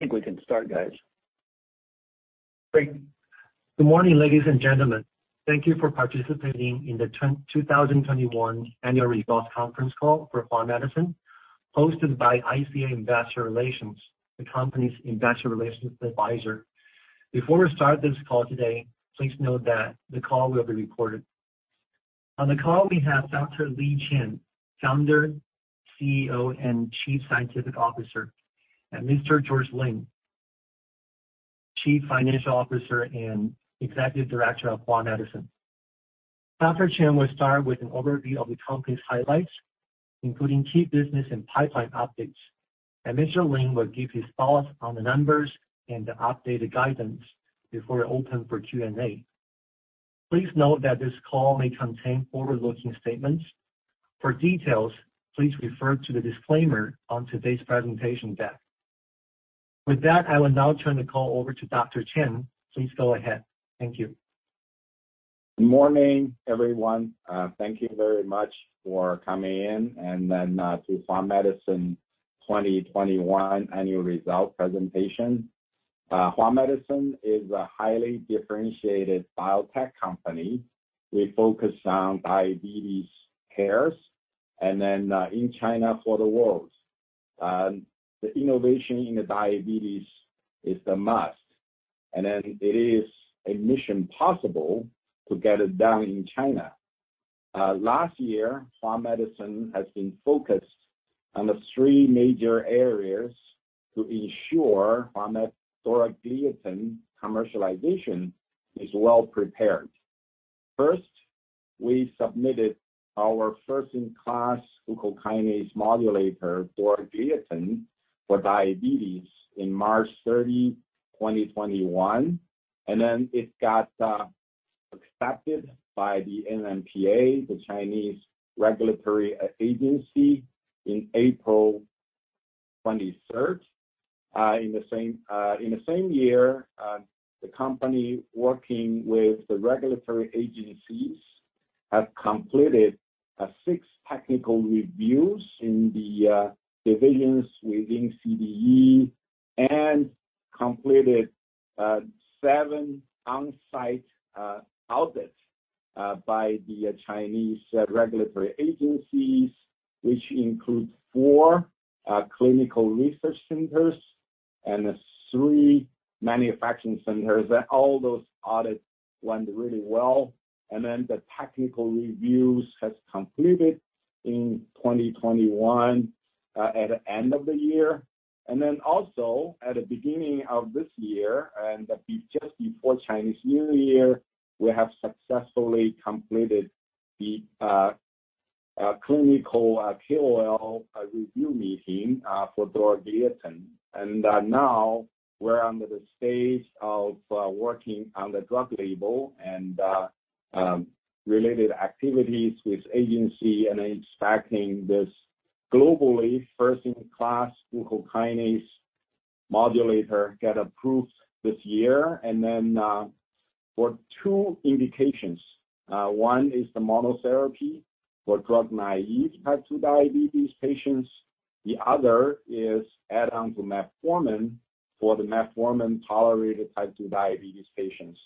I think we can start, guys. Great. Good morning, ladies and gentlemen. Thank you for participating in the 2021 Annual Results Conference Call for Hua Medicine, hosted by ICA Investor Relations, the company's Investor Relations advisor. Before we start this call today, please note that the call will be recorded. On the call we have Dr. Li Chen, founder, CEO, and chief scientific officer, and Mr. George Lin, chief financial officer and executive director of Hua Medicine. Dr. Chen will start with an overview of the company's highlights, including key business and pipeline updates. Mr. Lin will give his thoughts on the numbers and the updated guidance before we open for Q&A. Please note that this call may contain forward-looking statements. For details, please refer to the disclaimer on today's presentation deck. With that, I will now turn the call over to Dr. Chen. Please go ahead. Thank you. Good morning, everyone. Thank you very much for coming to Hua Medicine 2021 annual results presentation. Hua Medicine is a highly differentiated biotech company. We focus on diabetes care in China for the world. Innovation in diabetes is a must. It is a mission possible to get it done in China. Last year, Hua Medicine has been focused on the three major areas to ensure Dorzagliatin commercialization is well-prepared. First, we submitted our first-in-class glucokinase activator, Dorzagliatin, for diabetes in March 30, 2021. It got accepted by the NMPA, the Chinese regulatory agency, in April 23. In the same year, the company working with the regulatory agencies have completed six technical reviews in the divisions within CDE and completed seven on-site audits by the Chinese regulatory agencies, which includes four clinical research centers and three manufacturing centers. All those audits went really well. The technical reviews has completed in 2021 at the end of the year. At the beginning of this year just before Chinese New Year, we have successfully completed the clinical KOL review meeting for dorzagliatin. Now we're under the stage of working on the drug label and related activities with agency and expecting this globally first-in-class glucokinase modulator get approved this year. For two indications, one is the monotherapy for drug-naive type 2 diabetes patients. The other is add-on to metformin for the metformin-tolerated type 2 diabetes patients.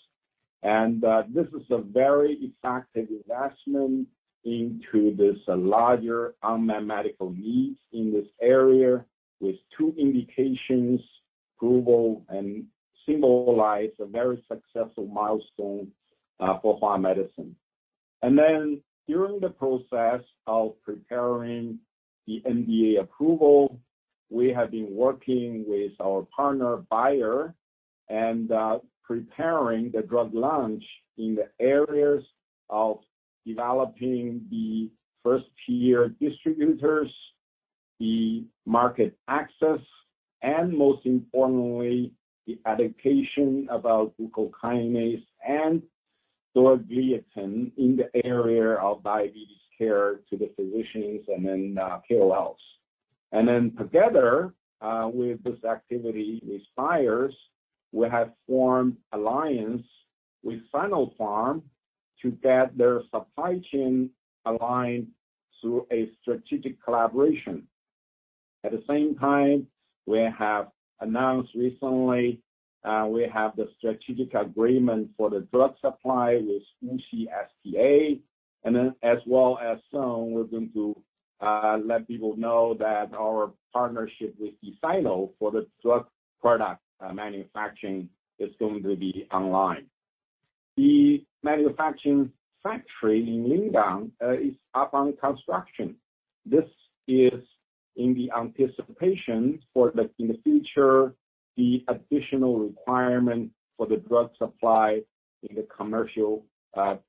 This is a very effective investment into this larger unmet medical needs in this area with two indications approval, and symbolize a very successful milestone for Hua Medicine. During the process of preparing the NDA approval, we have been working with our partner, Bayer, and preparing the drug launch in the areas of developing the first-tier distributors, the market access, and most importantly, the education about glucokinase and dorzagliatin in the area of diabetes care to the physicians and then KOLs. Together with this activity with Bayer's, we have formed alliance with Sinopharm to get their supply chain aligned through a strategic collaboration. At the same time, we have announced recently, we have the strategic agreement for the drug supply with WuXi STA, and then as well as soon we're going to, let people know that our partnership with Desano for the drug product, manufacturing is going to be online. The manufacturing factory in Lingang, is up on construction. This is in the anticipation for the, in the future, the additional requirement for the drug supply in the commercial,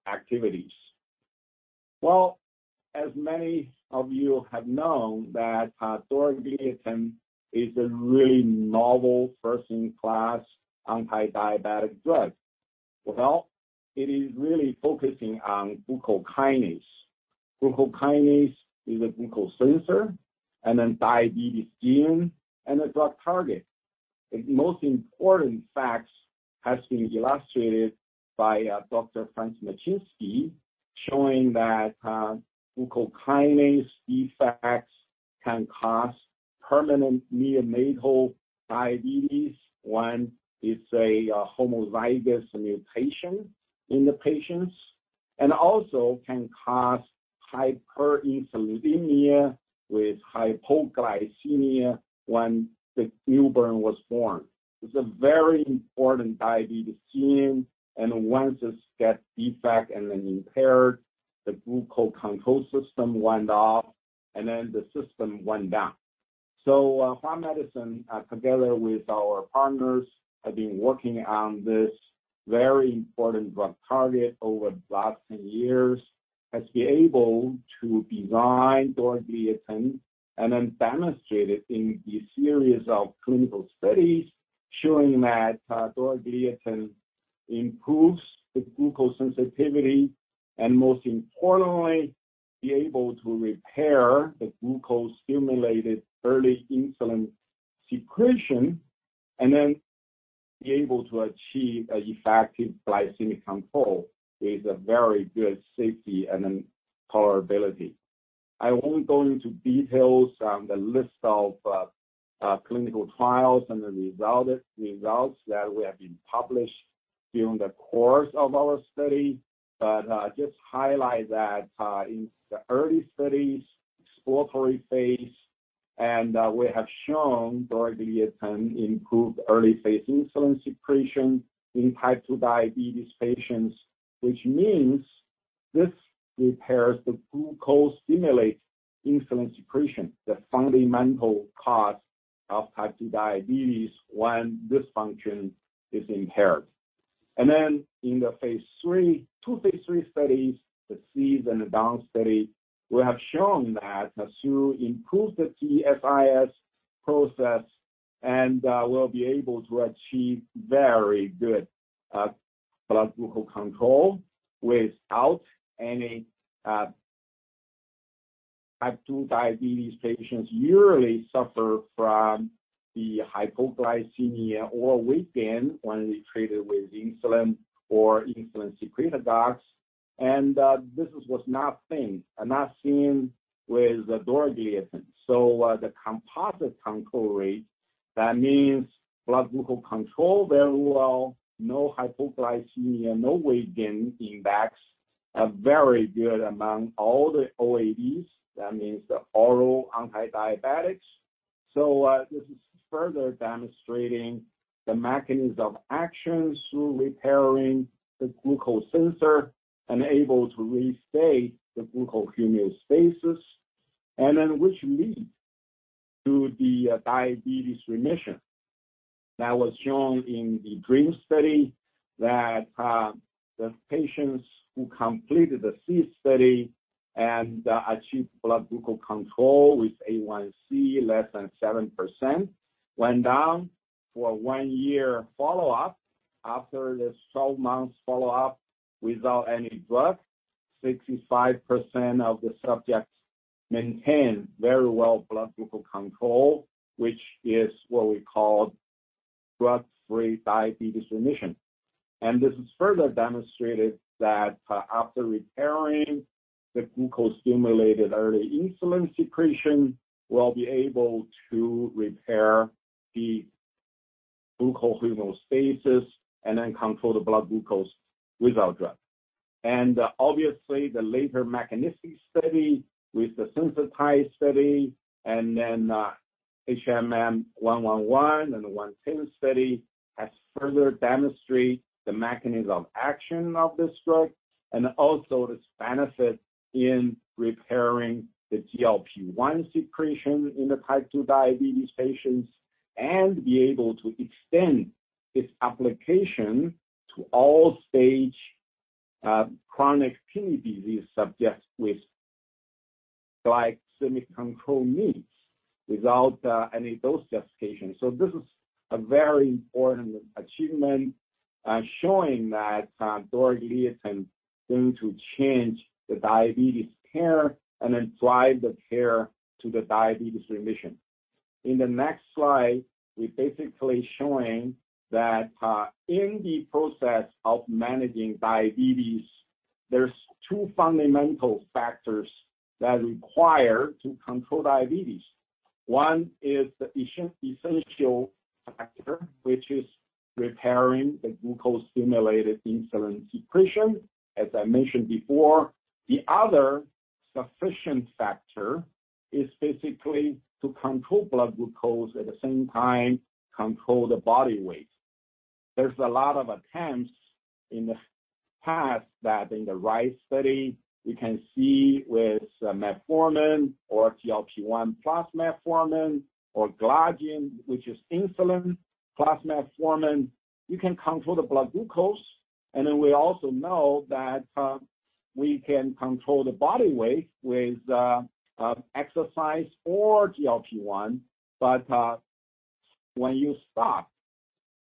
activities. Well, as many of you have known that, dorzagliatin is a really novel first-in-class anti-diabetic drug. Well, it is really focusing on glucokinase. Glucokinase is a glucose sensor and then diabetes gene and a drug target. Its most important facts has been illustrated by, Dr. Franz Matschinsky showing that glucokinase defects can cause permanent neonatal diabetes when it's a homozygous mutation in the patients, and also can cause hyperinsulinemia with hypoglycemia when the newborn was born. It's a very important diabetes gene, and once this gets defect and then impaired, the glucose control system went off, and then the system went down. Hua Medicine together with our partners have been working on this very important drug target over the last 10 years, has been able to design dorzagliatin, and then demonstrate it in the series of clinical studies showing that dorzagliatin improves the glucose sensitivity, and most importantly, be able to repair the glucose-stimulated early insulin secretion, and then be able to achieve a effective glycemic control with a very good safety and then tolerability. I won't go into details on the list of clinical trials and the results that we have published during the course of our study, but just highlight that in the early studies, exploratory phase, and we have shown dorzagliatin improved early phase insulin secretion in type 2 diabetes patients, which means this repairs the glucose-stimulated insulin secretion, the fundamental cause of type 2 diabetes when this function is impaired. In the phase III, two phase III studies, the SEED and the DAWN study, we have shown that through improved GSIS process and we'll be able to achieve very good blood glucose control without any type 2 diabetes patients usually suffer from the hypoglycemia or weight gain when they treated with insulin or insulin secretagogues. This was not seen with the dorzagliatin. The composite control rate, that means blood glucose control very well, no hypoglycemia, no weight gain impacts, are very good among all the OADs. That means the oral antidiabetics. This is further demonstrating the mechanism of action through repairing the glucose sensor and able to restate the glucose homeostasis and then which lead to the diabetes remission. That was shown in the DREAM study that the patients who completed the SEED study and achieved blood glucose control with A1c less than 7% went down for a 1-year follow-up. After this 12 months follow-up without any drug, 65% of the subjects maintained very well blood glucose control, which is what we call drug-free diabetes remission. This is further demonstrated that, after repairing the glucose-stimulated early insulin secretion, we'll be able to repair the glucose homeostasis and then control the blood glucose without drug. Obviously, the later mechanistic study with the SENSITIZE study and then HMM0111 and the 110 study has further demonstrate the mechanism action of this drug and also its benefit in repairing the GLP-1 secretion in the type 2 diabetes patients, and be able to extend this application to all stage chronic kidney disease subjects with glycemic control needs without any dose escalation. This is a very important achievement, showing that dorzagliatin going to change the diabetes care and then drive the care to the diabetes remission. In the next slide, we basically showing that, in the process of managing diabetes, there's two fundamental factors that require to control diabetes. One is the essential factor, which is repairing the glucose-stimulated insulin secretion, as I mentioned before. The other sufficient factor is basically to control blood glucose, at the same time, control the body weight. There's a lot of attempts in the past that in the RISE study you can see with metformin or GLP-1 plus metformin or glargine, which is insulin, plus metformin, you can control the blood glucose. Then we also know that, we can control the body weight with, exercise or GLP-1. When you stop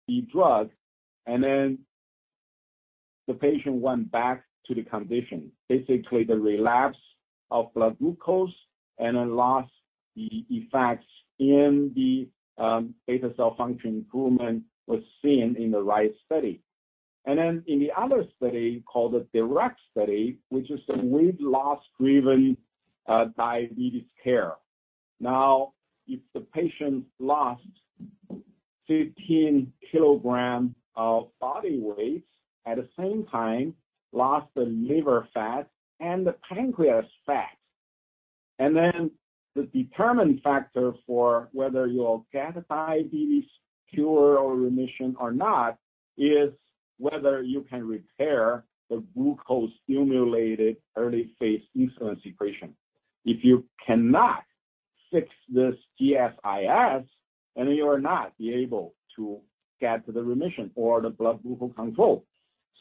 the drug and then the patient went back to the condition, basically the relapse of blood glucose and alas, the effects in the beta cell function improvement was seen in the RISE study. In the other study, called the DIRECT study, which is a weight loss-driven diabetes care. Now, if the patient lost 15 kg of body weight, at the same time lost the liver fat and the pancreas fat. The determining factor for whether you'll get diabetes cure or remission or not is whether you can repair the glucose-stimulated early phase insulin secretion. If you cannot fix this GSIS, then you will not be able to get the remission or the blood glucose control.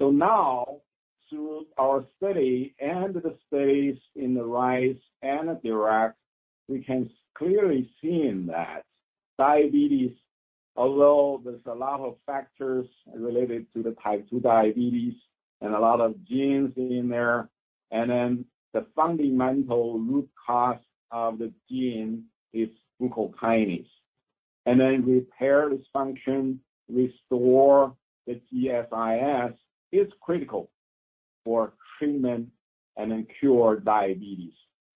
Now, through our study and the studies in the RISE and the DIRECT, we can clearly see that diabetes, although there's a lot of factors related to the type 2 diabetes and a lot of genes in there, and then the fundamental root cause of the gene is glucokinase. Repair this function, restore the GSIS, is critical for treatment and then cure diabetes.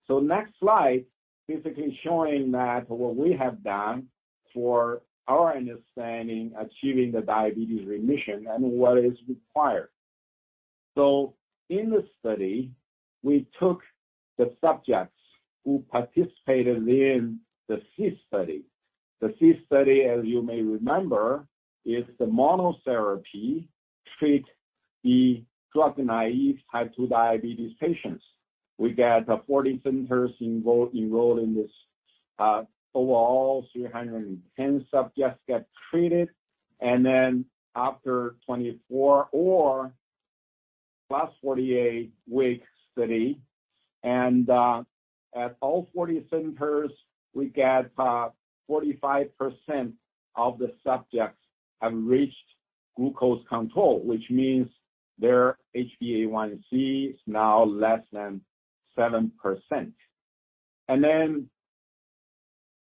Next slide, basically showing that what we have done for our understanding achieving the diabetes remission and what is required. In the study, we took the subjects who participated in the SEED study. The SEED study, as you may remember, is the monotherapy treat the drug-naive type 2 diabetes patients. We got 40 centers enrolled in this. Overall, 310 subjects got treated. After 24- or 48-week study at all 40 centers, 45% of the subjects have reached glucose control, which means their HbA1c is now less than 7%.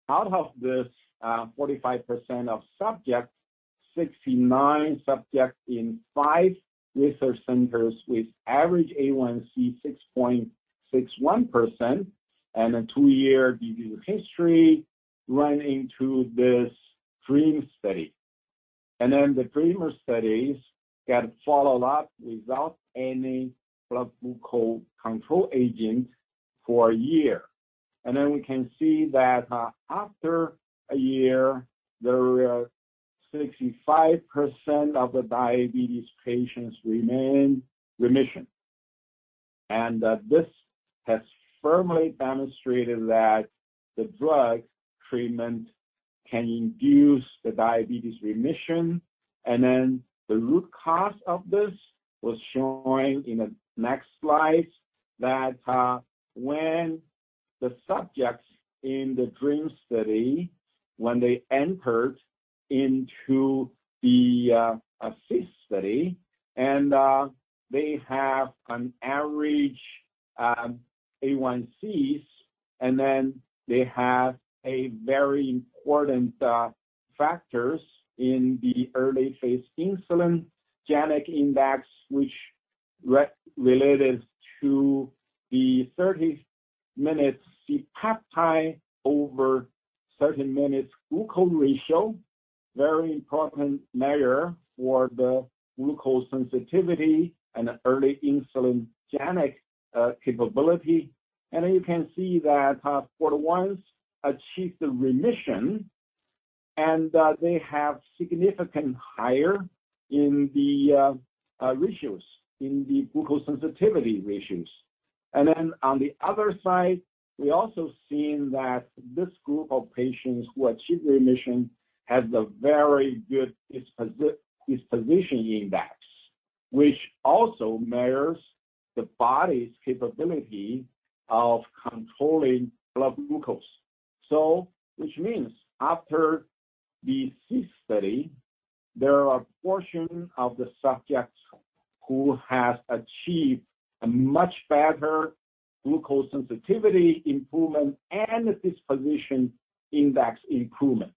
Out of this 45% of subjects, 69 subjects in 5 research centers with average A1c 6.61% and a 2-year diabetes history run into this DREAM study. The DREAM study got followed up without any blood glucose control agents for 1 year. We can see that after 1 year, 65% of the diabetes patients remain remission. This has firmly demonstrated that the drug treatment can induce the diabetes remission. The root cause of this was showing in the next slide that, when the subjects in the DREAM study, when they entered into the SEED study, they have an average A1c, and then they have a very important factors in the early phase insulinogenic index, which related to the 30 minutes C-peptide over 30 minutes glucose ratio, very important measure for the glucose sensitivity and early insulinogenic capability. You can see that, for the ones achieve the remission they have significant higher in the ratios, in the glucose sensitivity ratios. On the other side, we also seen that this group of patients who achieve remission has a very good disposition index, which also measures the body's capability of controlling blood glucose. Which means after the SEED study, there are a portion of the subjects who has achieved a much better glucose sensitivity improvement and a disposition index improvement.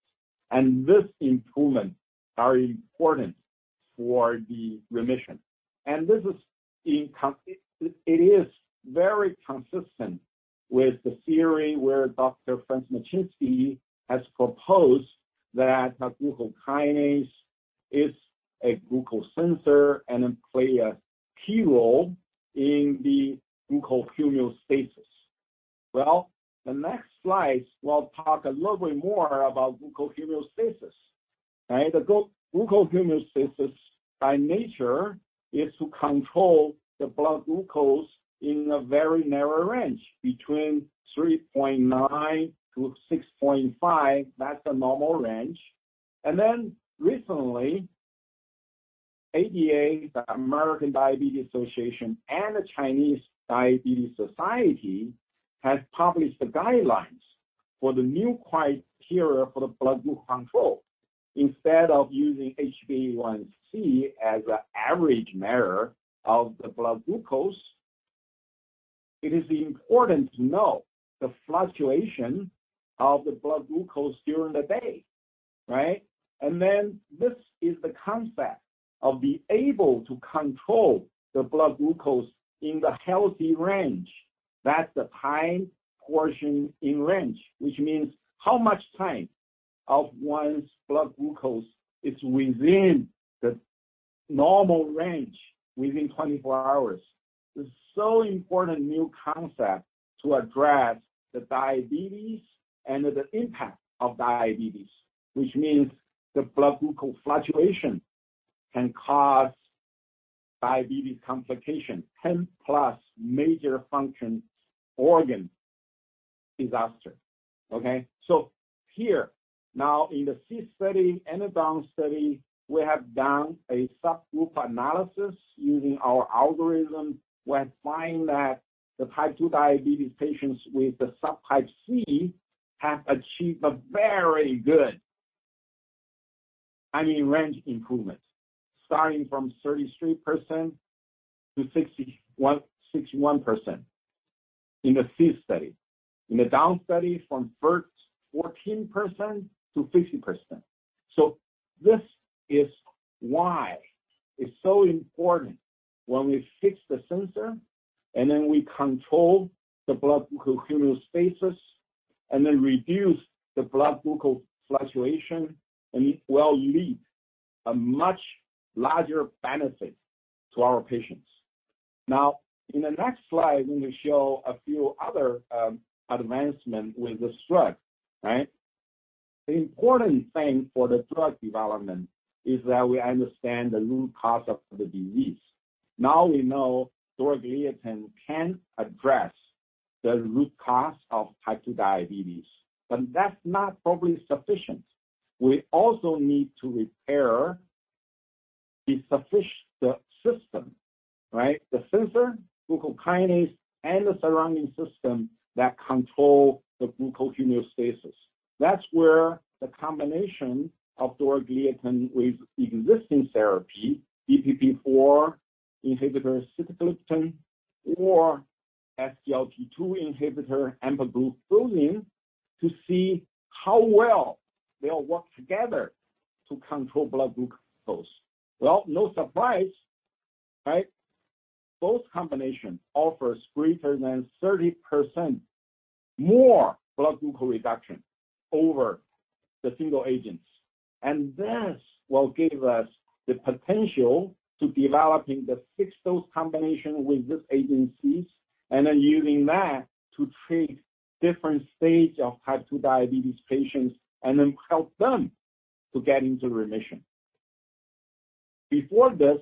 This improvement are important for the remission. This is in It is very consistent with the theory where Dr. Franz Matschinsky has proposed that glucokinase is a glucose sensor and it play a key role in the glucose homeostasis. Well, the next slide will talk a little bit more about glucose homeostasis. Right. The glucose homeostasis by nature is to control the blood glucose in a very narrow range between 3.9-6.5. That's the normal range. Recently, ADA, the American Diabetes Association, and the Chinese Diabetes Society has published the guidelines for the new criteria for the blood glucose control, instead of using HbA1c as an average measure of the blood glucose. It is important to know the fluctuation of the blood glucose during the day, right? This is the concept of being able to control the blood glucose in the healthy range. That's the time in range, which means how much time of one's blood glucose is within the normal range within 24 hours. It's so important new concept to address the diabetes and the impact of diabetes, which means the blood glucose fluctuation can cause diabetes complication, 10+ major function organ disaster. Okay. Here, now in the SEED study and the DAWN study, we have done a subgroup analysis using our algorithm. We find that the type 2 diabetes patients with the subtype C have achieved a very good time in range improvement, starting from 33% to 61% in the SEED study. In the DAWN study, from 14% to 50%. This is why it's so important when we fix the sensor, and then we control the blood glucose homeostasis, and then reduce the blood glucose fluctuation, and it will lead a much larger benefit to our patients. Now, in the next slide, we will show a few other advancement with this drug, right? The important thing for the drug development is that we understand the root cause of the disease. Now we know dorzagliatin can address the root cause of type 2 diabetes, and that's not probably sufficient. We also need to repair the system, right? The sensor, glucokinase, and the surrounding system that control the glucose homeostasis. That's where the combination of dorzagliatin with existing therapy, DPP4 inhibitor sitagliptin or SGLT2 inhibitor empagliflozin to see how well they all work together to control blood glucose. Well, no surprise, right? Both combination offers greater than 30% more blood glucose reduction over the single agents. This will give us the potential to developing the fixed-dose combination with these agents, and then using that to treat different stage of type 2 diabetes patients, and then help them to get into remission. Before this,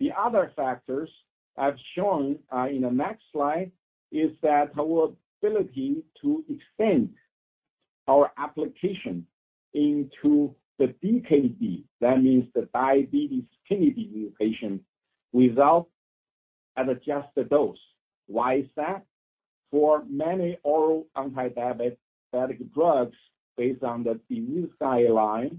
the other factors I've shown in the next slide is that our ability to extend our application into the DKD, that means the diabetic kidney disease patient without an adjusted dose. Why is that? For many oral antidiabetic drugs based on the disease guideline,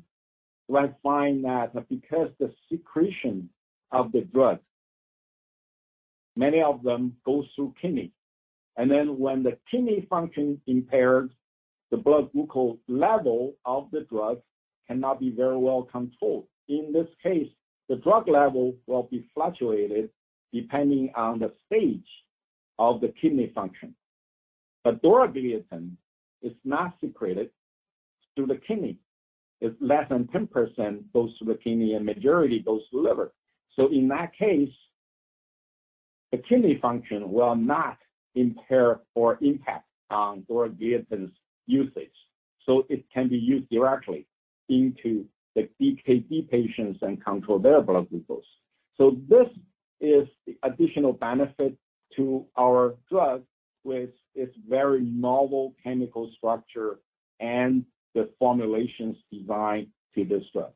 we find that because the secretion of the drug, many of them go through kidney. When the kidney function impairs, the blood glucose cannot be very well controlled with the drug. In this case, the levels of the drug will fluctuate depending on the stage of the kidney function. Dorzagliatin is not secreted through the kidney. It's less than 10% goes through the kidney, and majority goes to liver. In that case, the kidney function will not impair or impact on dorzagliatin's usage. It can be used directly into the DKD patients and control their blood glucose. This is the additional benefit to our drug, with its very novel chemical structure and the formulations designed to this drug.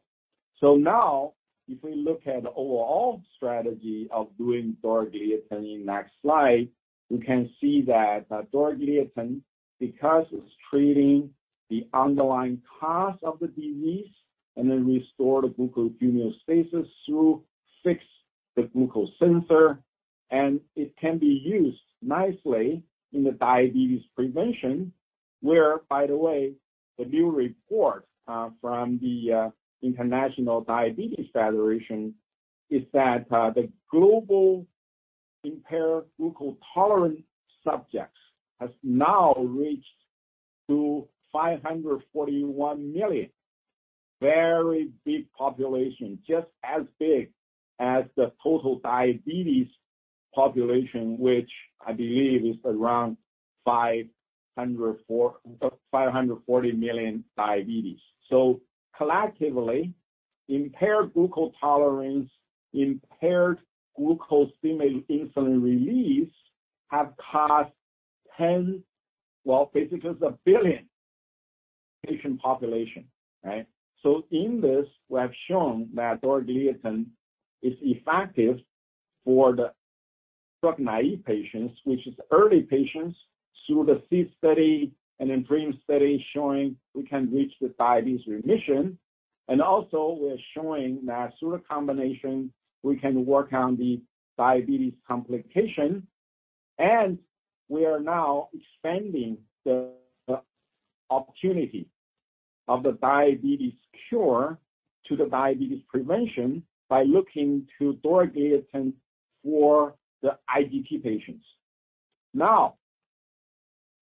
Now, if we look at the overall strategy of doing dorzagliatin in next slide, we can see that, dorzagliatin, because it's treating the underlying cause of the disease and then restore the glucose homeostasis through fix the glucose sensor, and it can be used nicely in the diabetes prevention, where, by the way, the new report from the International Diabetes Federation is that, the global impaired glucose tolerance subjects has now reached to 541 million. Very big population, just as big as the total diabetes population, which I believe is around 540 million diabetes. Collectively, impaired glucose tolerance, impaired glucose-stimulated insulin release have caused ten, well, basically it's a billion patient population, right? In this, we have shown that dorzagliatin is effective for drug-naive patients, which is early patients, through the SEED study and then DREAM study showing we can reach the diabetes remission. We are showing that through the combination, we can work on the diabetes complication, and we are now expanding the opportunity of the diabetes cure to the diabetes prevention by looking to dorzagliatin for the IGT patients.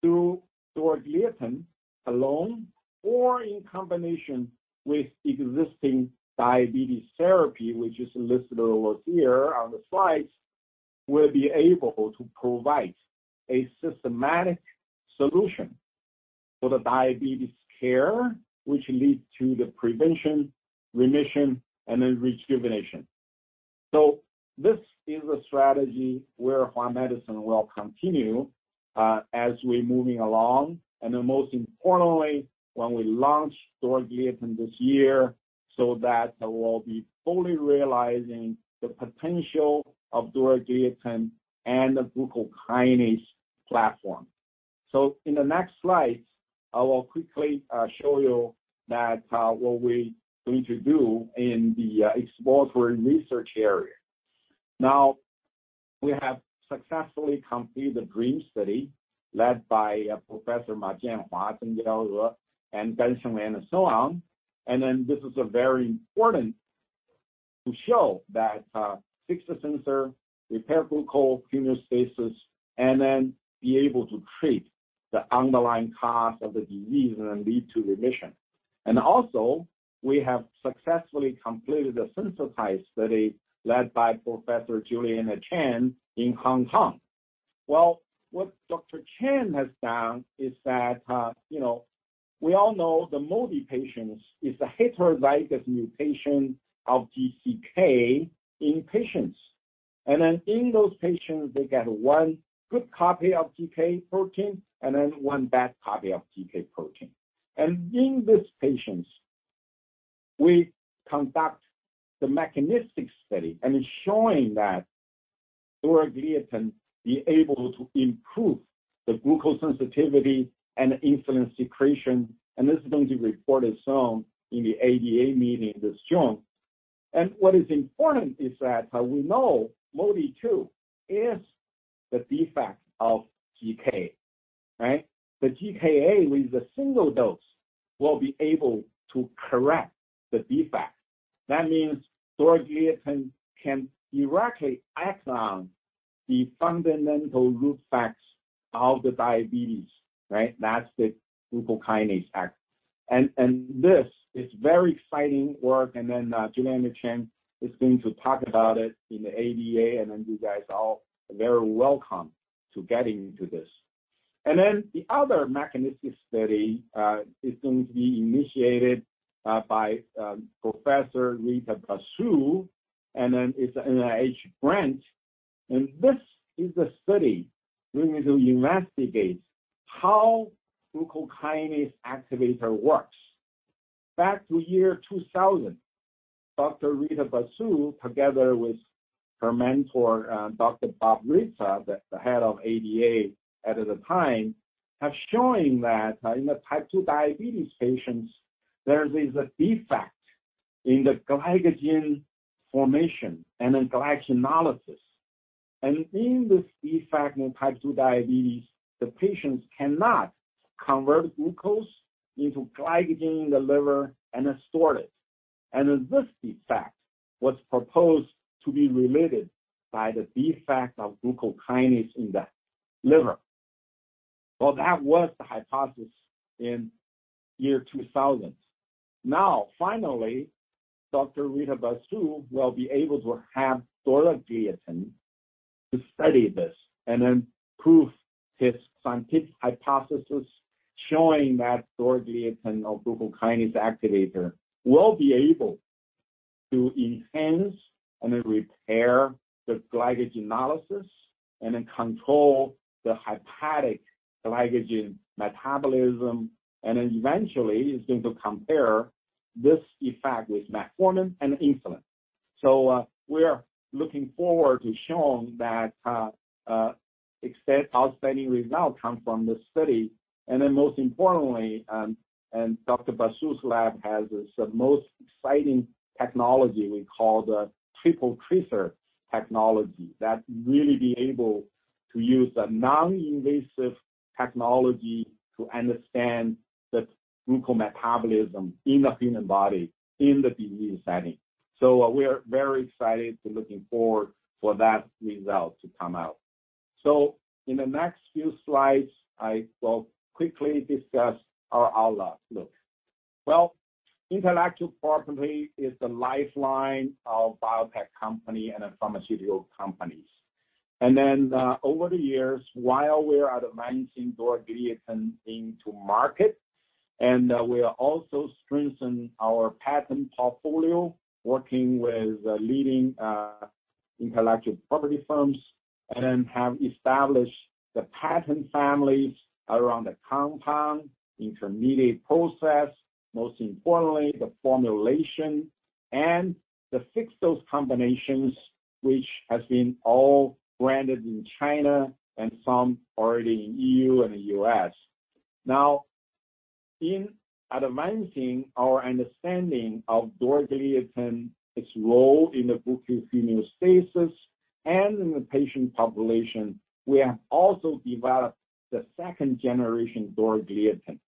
Through dorzagliatin alone or in combination with existing diabetes therapy, which is listed over here on the slides, we'll be able to provide a systematic solution for the diabetes care, which leads to the prevention, remission, and then rejuvenation. This is a strategy where Hua Medicine will continue as we're moving along, and then most importantly, when we launch dorzagliatin this year, so that we'll be fully realizing the potential of dorzagliatin and the glucokinase platform. In the next slides, I will quickly show you that what we going to do in the exploratory research area. Now, we have successfully completed the DREAM study led by Professor Jianhua Ma, Zheng Jiao, and Binsheng Wang and so on. This is very important to show that fix the sensor, repair glucose homeostasis, and then be able to treat the underlying cause of the disease and lead to remission. We have successfully completed the SYNTHESIZE study led by Professor Juliana Chan in Hong Kong. Well, what Dr. Juliana Chan has found that, you know, we all know the MODY patients is a heterozygous mutation of GCK in patients. In those patients, they get one good copy of GCK protein and then one bad copy of GCK protein. In these patients, we conduct the mechanistic study, and it's showing that dorzagliatin be able to improve the glucose sensitivity and insulin secretion, and this is going to be reported soon in the ADA meeting this June. What is important is that, we know MODY-2 is the defect of GCK, right? The GKA with a single dose will be able to correct the defect. That means dorzagliatin can directly act on the fundamental root cause of the diabetes, right? That's the glucokinase activator. This is very exciting work, and then Juliana Chan is going to talk about it in the ADA, and then you guys all are very welcome to getting to this. The other mechanistic study is going to be initiated by Professor Rita Basu, and then it's an NIH grant. This is a study going to investigate how glucokinase activator works. Back to 2000, Dr. Rita Basu, together with her mentor, Dr. Robert Rizza, the head of ADA at the time, have shown that in the type 2 diabetes patients, there is a defect in the glycogen formation and in glycogenolysis. In this defect in type 2 diabetes, the patients cannot convert glucose into glycogen in the liver and then store it. This defect was proposed to be related by the defect of glucokinase in the liver. Well, that was the hypothesis in year 2000. Now, finally, Dr. Rita Basu will be able to have dorzagliatin to study this and then prove this scientific hypothesis showing that dorzagliatin or glucokinase activator will be able to enhance and then repair the glycogenolysis and then control the hepatic glycogen metabolism, and then eventually is going to compare this effect with metformin and insulin. We are looking forward to showing that extent outstanding result come from this study. Most importantly, Dr. Basu's lab has this most exciting technology we call the triple-tracer technology that really be able to use a non-invasive technology to understand the glucose metabolism in the human body in the disease setting. We are very excited and looking forward for that result to come out. In the next few slides, I will quickly discuss our outlook. Well, intellectual property is the lifeline of biotech company and pharmaceutical companies. Over the years, while we are advancing dorzagliatin into market, and we are also strengthening our patent portfolio, working with leading intellectual property firms, and have established the patent families around the compound, intermediate process, most importantly, the formulation and the fixed-dose combinations, which has been all branded in China and some already in EU and the U.S. Now, in advancing our understanding of dorzagliatin, its role in the gluconeogenesis and in the patient population, we have also developed the second-generation dorzagliatin.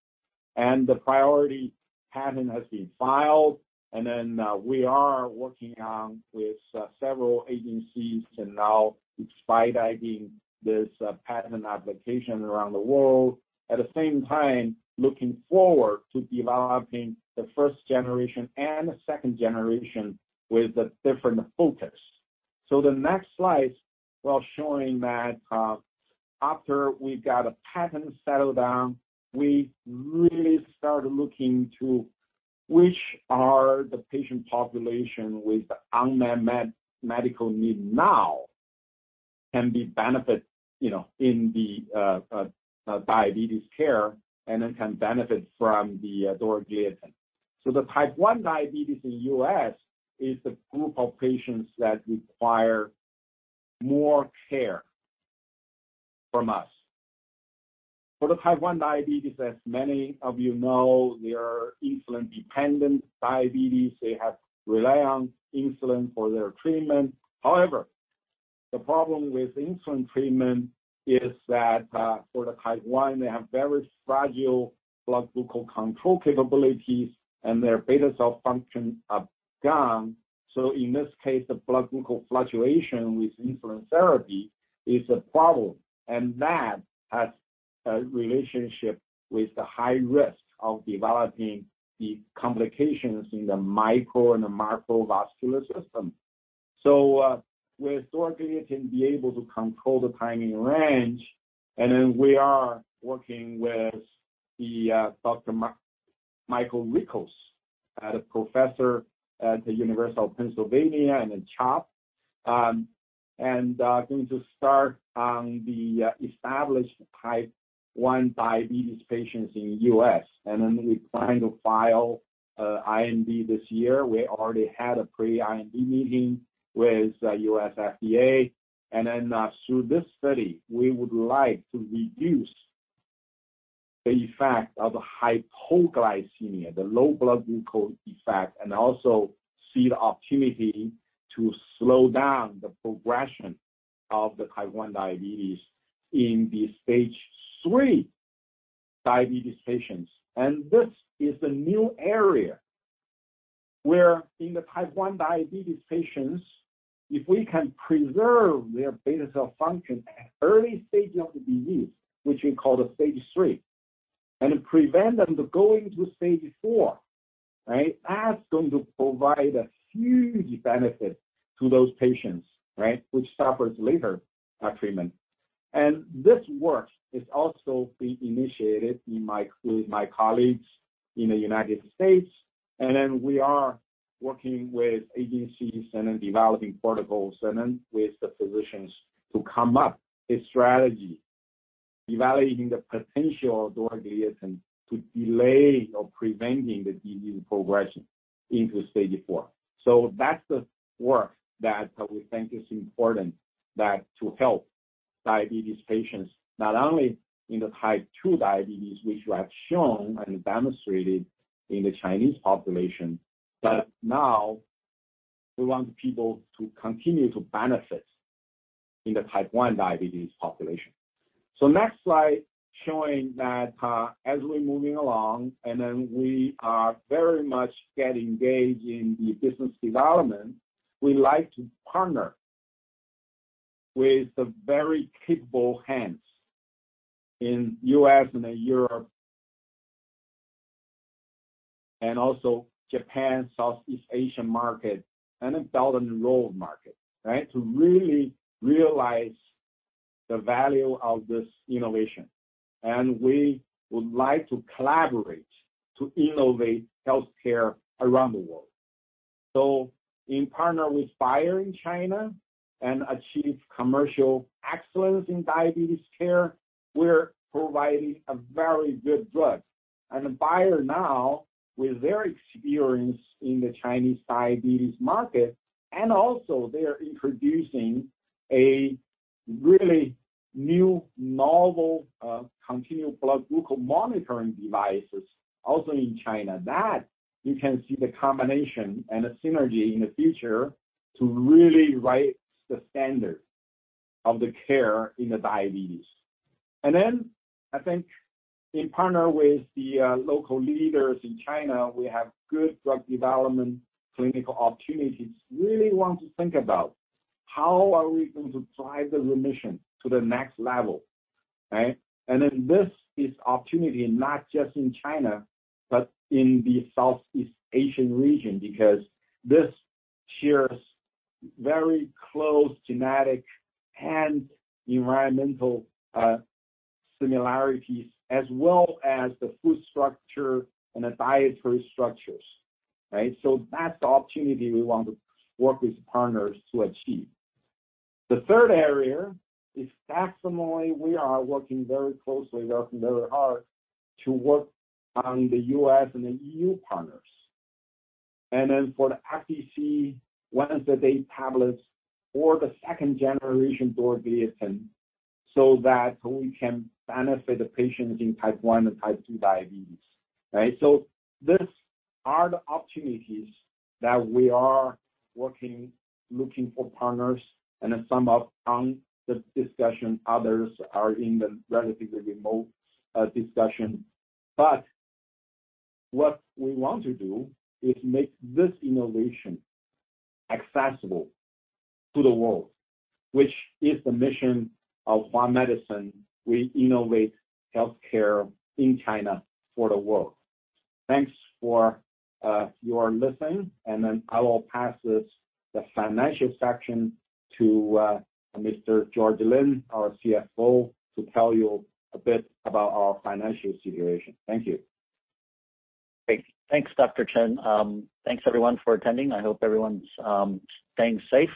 The priority patent has been filed, and then we are working on with several agencies to now speed up this patent application around the world. At the same time, looking forward to developing the first generation and the second generation with a different focus. The next slide was showing that after we got a patent settled down, we really started looking to which are the patient population with unmet medical need now can benefit, you know, in the diabetes care and then can benefit from the dorzagliatin. The type one diabetes in U.S. is the group of patients that require more care from us. For the type one diabetes, as many of you know, they are insulin-dependent diabetes. They rely on insulin for their treatment. However, the problem with insulin treatment is that, for the type 1, they have very fragile blood glucose control capabilities, and their beta cell function are gone. In this case, the blood glucose fluctuation with insulin therapy is a problem. That has a relationship with the high risk of developing the complications in the micro and the macrovascular system. With dorzagliatin, we can be able to control the time in range, and then we are working with the Dr. Michael Rickels, the professor at the University of Pennsylvania and then CHOP, and going to start on the established type 1 diabetes patients in U.S. Then we plan to file IND this year. We already had a pre-IND meeting with U.S. FDA. Through this study, we would like to reduce the effect of hypoglycemia, the low blood glucose effect, and also see the opportunity to slow down the progression of the type 1 diabetes in the stage 3 diabetes patients. This is a new area where in the type 1 diabetes patients, if we can preserve their beta cell function at early stage of the disease, which we call the stage 3, and prevent them to going to stage 4, right, that's going to provide a huge benefit to those patients, right, which suffers later treatment. This work is also being initiated with my colleagues in the United States. We are working with agencies and then developing protocols and then with the physicians to come up a strategy evaluating the potential of dorzagliatin to delay or preventing the disease progression into stage 4. That's the work that we think is important that to help diabetes patients, not only in the type 2 diabetes, which we have shown and demonstrated in the Chinese population, but now we want people to continue to benefit in the type 1 diabetes population. Next slide showing that, as we're moving along, and then we are very much get engaged in the business development, we like to partner with some very capable hands in U.S. and in Europe, and also Japan, Southeast Asian market, and the Belt and Road market, right, to really realize the value of this innovation. We would like to collaborate to innovate healthcare around the world. In partner with Bayer in China and achieve commercial excellence in diabetes care, we're providing a very good drug. Bayer now, with their experience in the Chinese diabetes market, and also they are introducing a really new novel, continued blood glucose monitoring devices also in China. That you can see the combination and the synergy in the future to really write the standard of the care in the diabetes. I think in partner with the local leaders in China, we have good drug development clinical opportunities, really want to think about how are we going to drive the remission to the next level, right? This is opportunity not just in China, but in the Southeast Asian region, because this shares very close genetic and environmental similarities, as well as the food structure and the dietary structures, right? That's the opportunity we want to work with partners to achieve. The third area is saxagliptin. We are working very closely and hard to work on the U.S. and the EU partners. For the FDC, once a day tablets for the second-generation dorzagliatin so that we can benefit the patients in type 1 and type 2 diabetes, right? These are the opportunities that we are working on, looking for partners, and some are in the discussion, others are in the relatively remote discussion. What we want to do is make this innovation accessible to the world, which is the mission of Hua Medicine. We innovate healthcare in China for the world. Thanks for listening, and then I will pass the financial section to Mr. George Lin, our CFO, to tell you a bit about our financial situation. Thank you. Great. Thanks, Dr. Chen. Thanks everyone for attending. I hope everyone's staying safe,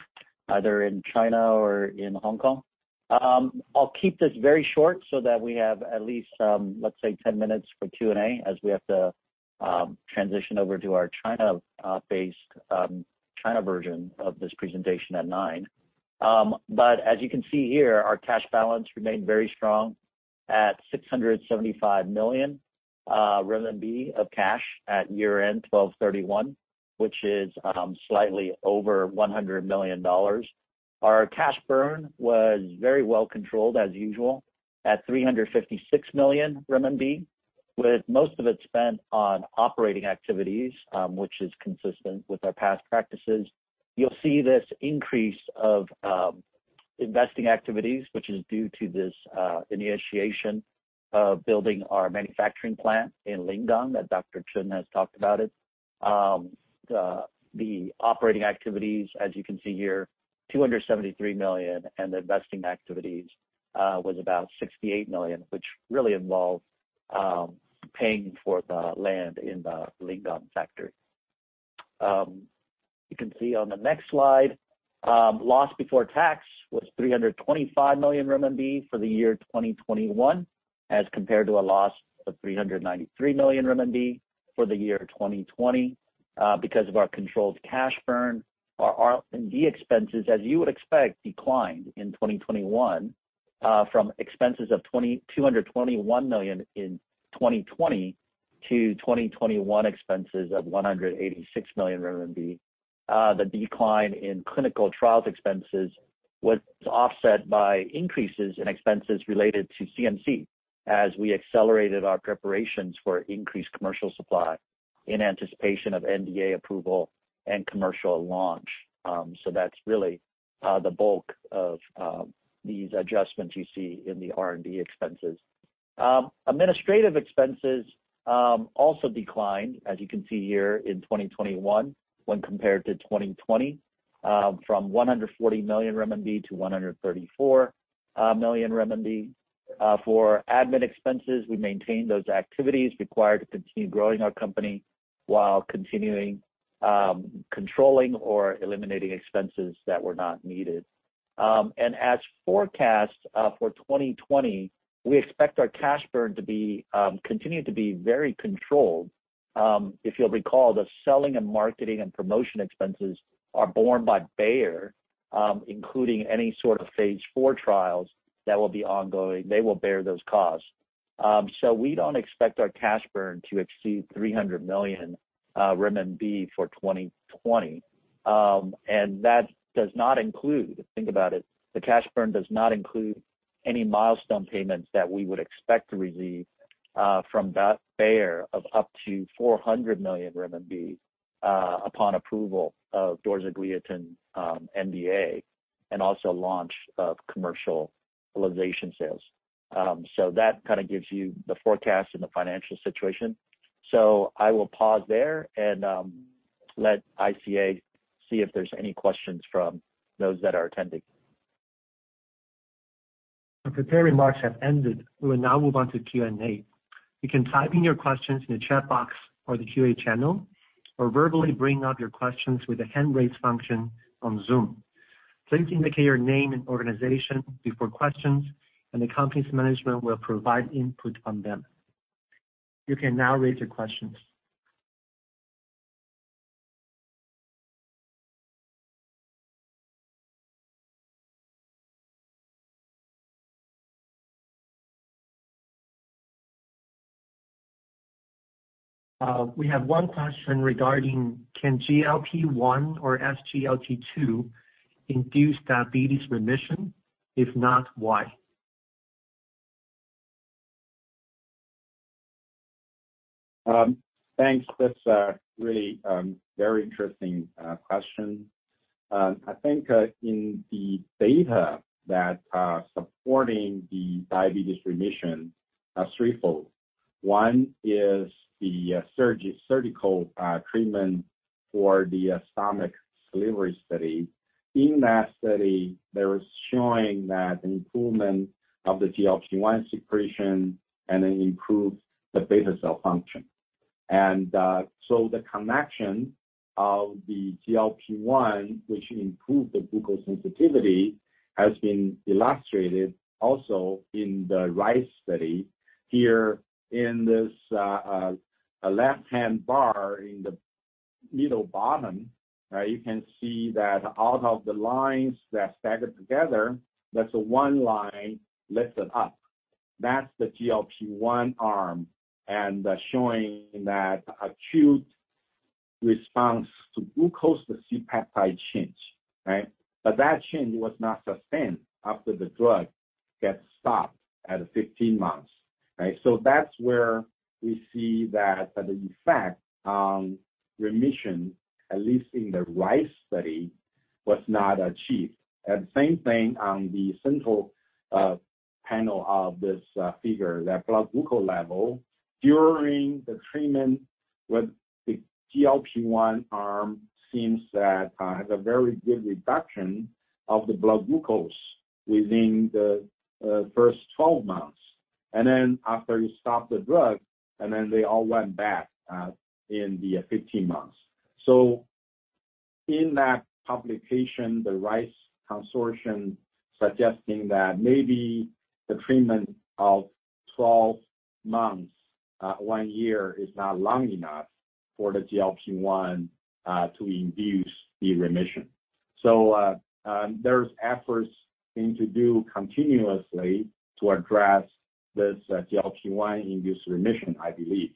either in China or in Hong Kong. I'll keep this very short so that we have at least, let's say 10 minutes for Q&A, as we have to transition over to our China-based China version of this presentation at nine. But as you can see here, our cash balance remained very strong at 675 million RMB of cash at year-end 12/31, which is slightly over $100 million. Our cash burn was very well controlled as usual at 356 million renminbi, with most of it spent on operating activities, which is consistent with our past practices. You'll see this increase of investing activities, which is due to this initiation of building our manufacturing plant in Lingang that Dr. Chen has talked about it. The operating activities, as you can see here, 273 million, and investing activities was about 68 million, which really involved paying for the land in the Lingang factory. You can see on the next slide, loss before tax was 325 million RMB for the year 2021, as compared to a loss of 393 million RMB for the year 2020. Because of our controlled cash burn, our R&D expenses, as you would expect, declined in 2021 from expenses of 2,221 million in 2020 to 2021 expenses of 186 million RMB. The decline in clinical trials expenses was offset by increases in expenses related to CMC as we accelerated our preparations for increased commercial supply in anticipation of NDA approval and commercial launch. So that's really the bulk of these adjustments you see in the R&D expenses. Administrative expenses also declined, as you can see here in 2021 when compared to 2020, from 140 million RMB to 134 million RMB. For admin expenses, we maintained those activities required to continue growing our company while continuing controlling or eliminating expenses that were not needed. As forecast for 2020, we expect our cash burn to be, continue to be very controlled. If you'll recall, the selling and marketing and promotion expenses are borne by Bayer, including any sort of phase IV trials that will be ongoing. They will bear those costs. We don't expect our cash burn to exceed 300 million renminbi for 2020. That does not include, think about it, the cash burn does not include any milestone payments that we would expect to receive, from that Bayer of up to 400 million RMB, upon approval of dorzagliatin NDA and also launch of commercialization sales. That kind of gives you the forecast and the financial situation. I will pause there and, let ICA see if there's any questions from those that are attending. The prepared remarks have ended. We will now move on to Q&A. You can type in your questions in the chat box or the Q&A channel, or verbally bring up your questions with the hand raise function on Zoom. Please indicate your name and organization before questions, and the company's management will provide input on them. You can now raise your questions. We have one question regarding can GLP-1 or SGLT2 induce diabetes remission? If not, why? Thanks. That's a really very interesting question. I think in the data that are supporting the diabetes remission are threefold. One is the surgical treatment for the gastric sleeve study. In that study, they were showing that improvement of the GLP-1 secretion and then improves the beta cell function. So the connection of the GLP-1, which improved the glucose sensitivity, has been illustrated also in the RISE study here in this left-hand bar in the middle bottom, right? You can see that out of the lines that staggered together, that's the one line lifted up. That's the GLP-1 arm, and showing that acute response to glucose, the C-peptide change, right? But that change was not sustained after the drug gets stopped at 15 months, right? That's where we see that the effect on remission, at least in the RISE study, was not achieved. Same thing on the central panel of this figure, that blood glucose level. During the treatment with the GLP-1 arm seems that has a very good reduction of the blood glucose within the first 12 months. Then after you stop the drug, they all went back in the 15 months. In that publication, the RISE Consortium suggesting that maybe the treatment of 12 months, one year, is not long enough for the GLP-1 to induce the remission. There are efforts being made continuously to address this GLP-1 induced remission, I believe.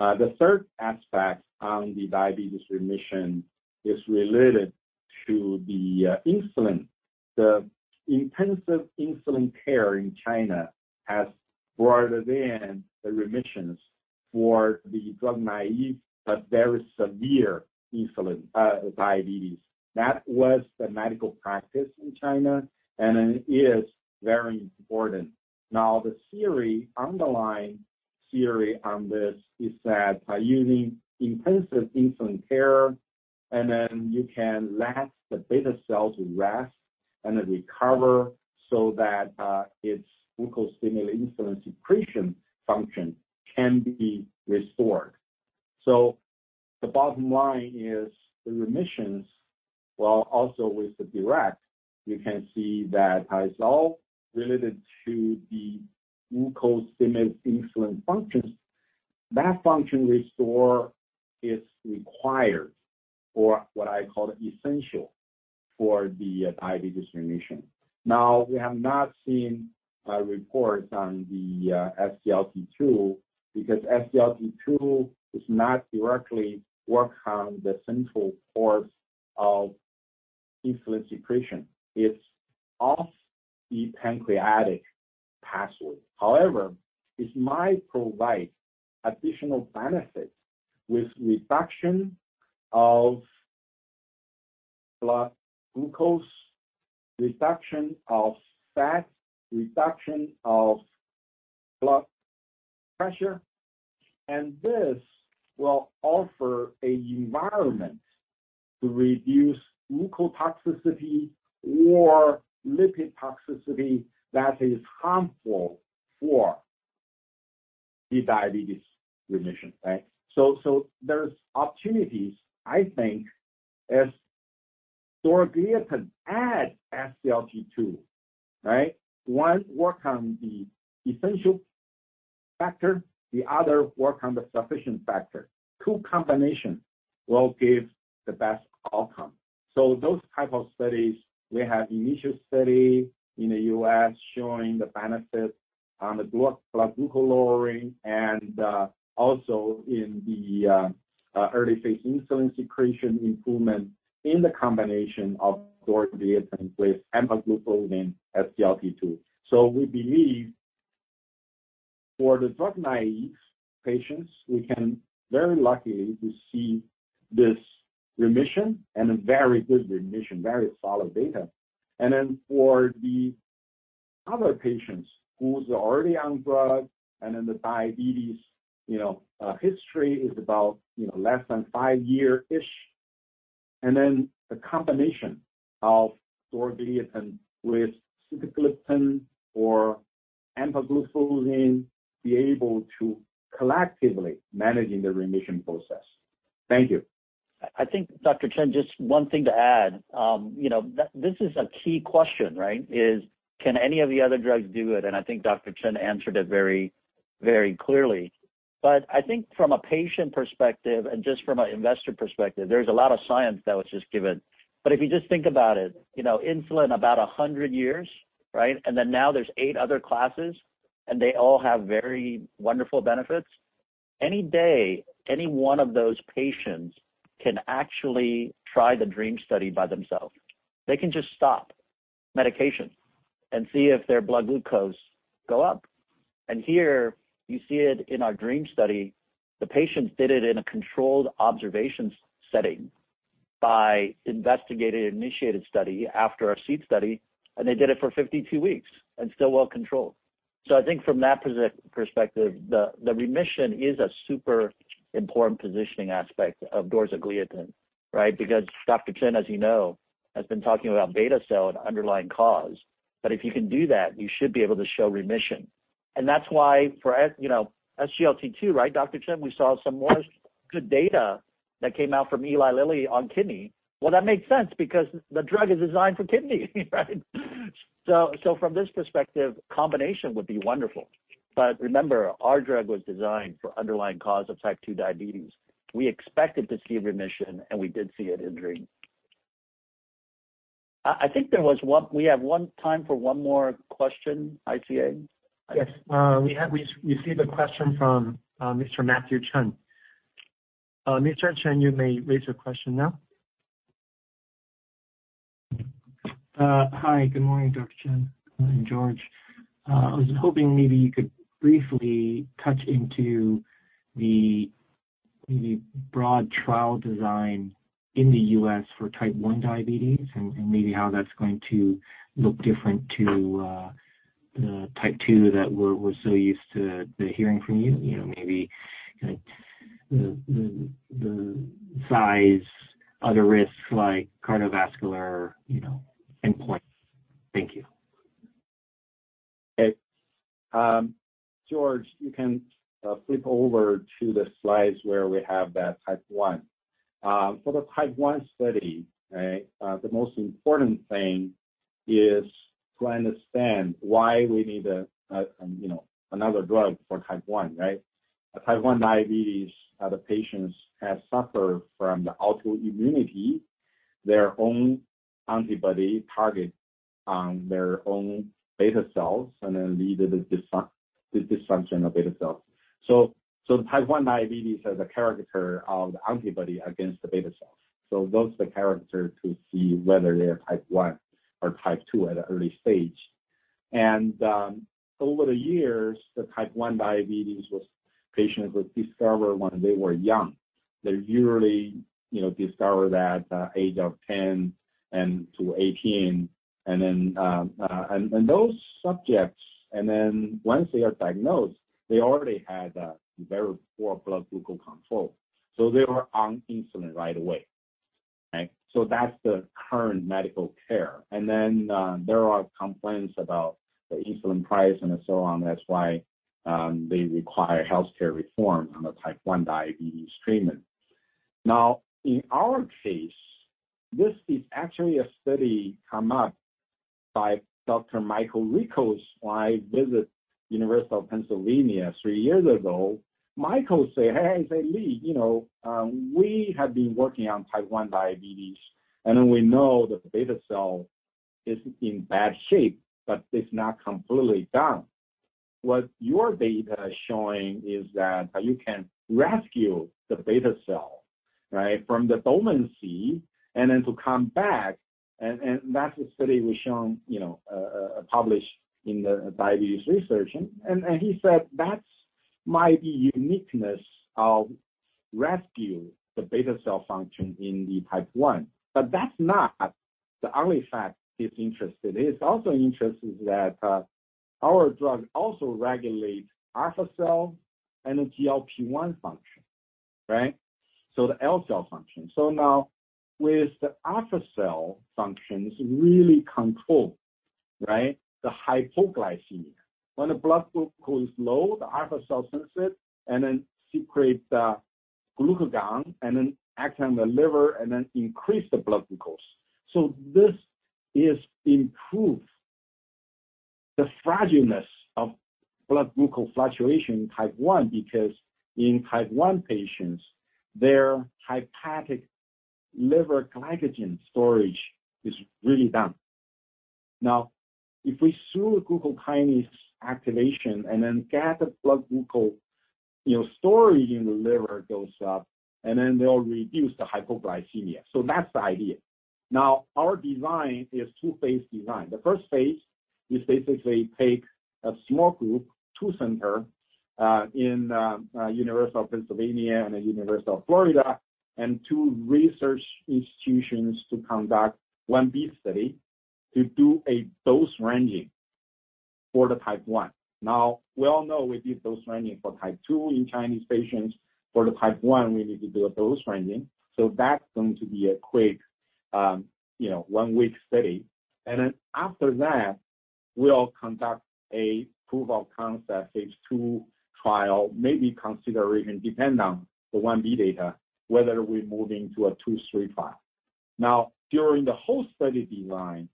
The third aspect on the diabetes remission is related to the insulin. The intensive insulin care in China has brought about the remission for the drug-naïve, but very severe insulin-requiring diabetes. That was the medical practice in China, and it is very important. Now, the underlying theory on this is that by using intensive insulin care, you can let the beta cells rest and then recover so that its glucose-stimulated insulin secretion function can be restored. The bottom line is the remission, while also with the DIRECT, you can see how it's all related to the glucose-stimulated insulin functions. That function restore is required, or what I call essential for the diabetes remission. Now, we have not seen a report on the SGLT2, because SGLT2 does not directly work on the central cause of insulin secretion. It's off the pancreatic pathway. However, it might provide additional benefits with reduction of blood glucose, reduction of fat, reduction of blood pressure. This will offer a environment to reduce glucose toxicity or lipid toxicity that is harmful for the diabetes remission, right? There's opportunities, I think, as dorzagliatin add SGLT2, right? One work on the essential factor, the other work on the sufficient factor. Two combination will give the best outcome. Those type of studies, we have initial study in the U.S. showing the benefit on the glucose lowering and also in the early phase insulin secretion improvement in the combination of dorzagliatin with empagliflozin SGLT2. We believe for the drug naive patients, we can very likely to see this remission and a very good remission, very solid data. For the other patients who's already on drug and then the diabetes, you know, history is about, you know, less than five year-ish. The combination of dorzagliatin with sitagliptin or empagliflozin be able to collectively manage in the remission process. Thank you. I think, Dr. Chen, just one thing to add, you know, this is a key question, right? Can any of the other drugs do it? I think Dr. Chen answered it very, very clearly. I think from a patient perspective and just from an investor perspective, there's a lot of science that was just given. If you just think about it, you know, insulin about 100 years, right? Then now there's eight other classes, and they all have very wonderful benefits. Any day, any one of those patients can actually try the DREAM study by themselves. They can just stop medication and see if their blood glucose go up. Here you see it in our DREAM study, the patients did it in a controlled observation setting by investigator-initiated study after our SEED study, and they did it for 52 weeks and still well controlled. I think from that perspective, the remission is a super important positioning aspect of dorzagliatin, right? Because Dr. Chen, as you know, has been talking about beta cell and underlying cause. If you can do that, you should be able to show remission. That's why for S, you know, SGLT2, right, Dr. Chen, we saw some more good data that came out from Eli Lilly on kidney. Well, that makes sense because the drug is designed for kidney, right? So from this perspective, combination would be wonderful. Remember, our drug was designed for underlying cause of type 2 diabetes. We expected to see remission, and we did see it in DREAM. I think we have time for one more question, ICA. Yes. We received a question from Mr. Matthew Chen. Mr. Chen, you may raise your question now. Hi. Good morning, Dr. Li Chen and George Lin. I was hoping maybe you could briefly touch on the broad trial design in the U.S. for type 1 diabetes and maybe how that's going to look different to the type 2 that we're so used to hearing from you. You know, maybe kind of the size, other risks like cardiovascular, you know, endpoint. Thank you. Okay. George, you can flip over to the slides where we have that type 1. For the type one study, right, the most important thing is to understand why we need a, you know, another drug for type 1, right? The type 1 diabetes, the patients have suffered from the autoimmunity, their own antibody target on their own beta cells, and then lead to the dysfunction of beta cells. So type 1 diabetes has a character of antibody against the beta cells. So those are the character to see whether they are type one or type two at an early stage. Over the years, the type 1 diabetes patients were discovered when they were young. They usually, you know, discover that age of 10 to 18. Those subjects, once they are diagnosed, they already had a very poor blood glucose control, so they were on insulin right away, right? That's the current medical care. There are complaints about the insulin price and so on. That's why they require healthcare reform on the type 1 diabetes treatment. Now, in our case, this is actually a study come up by Dr. Michael Rickels when I visit University of Pennsylvania three years ago. Michael say, "Hey," say, "Li, you know, we have been working on type 1 diabetes, and then we know that the beta cell is in bad shape, but it's not completely done. What your data is showing is that you can rescue the beta cell, right, from the dormancy and then to come back. That's the study we shown, you know, published in the diabetes research. He said, "That's my uniqueness of rescue the beta cell function in the type one." That's not the only fact he's interested in. He's also interested that our drug also regulates alpha cell and the GLP-1 function, right? The L-cell function. Now with the alpha cell functions really control, right, the hypoglycemia. When the blood glucose is low, the alpha cell senses it and then secretes the glucagon and then act on the liver and then increase the blood glucose. This is improve the fragility of blood glucose fluctuation in type one, because in type one patients, their hepatic liver glycogen storage is really done. Now, if we use glucokinase activation and then lower blood glucose, you know, storage in the liver goes up, and then that'll reduce the hypoglycemia. That's the idea. Now, our design is two phase design. The first phase is basically take a small group, 2-center, in University of Pennsylvania and the University of Florida and two research institutions to conduct one big study to do a dose ranging for the type 1. Now, we all know we did dose ranging for type 2 in Chinese patients. For the type 1, we need to do a dose ranging. That's going to be a quick, you know, 1-week study. After that, we'll conduct a proof of concept phase II trial, maybe even consider depending on the phase Ib data, whether we're moving to a II-III trial. Now, during the whole study design,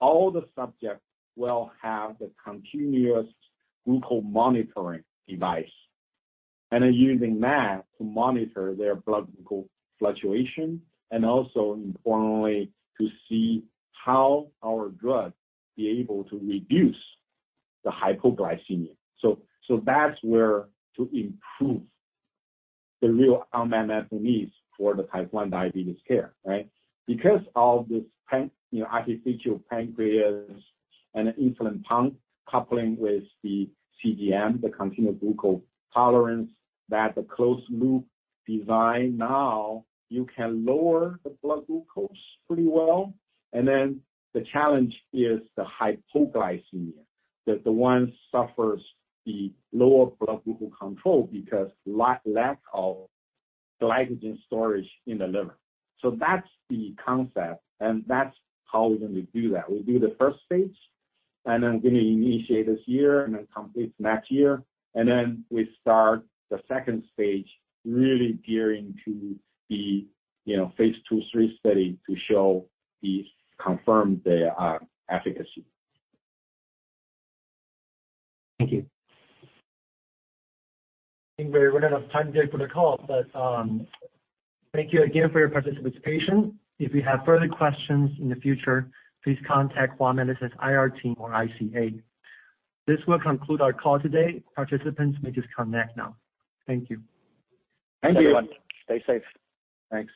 all the subjects will have the continuous glucose monitoring device, and are using that to monitor their blood glucose fluctuation and also importantly to see how our drug be able to reduce the hypoglycemia. That's where to improve the real unmet medical needs for the type 1 diabetes care, right? Because of this you know, artificial pancreas and insulin pump coupling with the CGM, the continuous glucose monitoring, that the closed loop design now you can lower the blood glucose pretty well. The challenge is the hypoglycemia, that the one suffers the lower blood glucose control because lack of glycogen storage in the liver. That's the concept, and that's how we're gonna do that. We'll do the phase I, and then we're gonna initiate this year and then complete next year. We start phase II, really gearing to the, you know, phase II/III study to show this confirmed efficacy. Thank you. I think we're running out of time today for the call, but thank you again for your participation. If you have further questions in the future, please contact Hua Medicine's IR team or ICA. This will conclude our call today. Participants may disconnect now. Thank you. Thank you. Thanks, everyone. Stay safe. Thanks.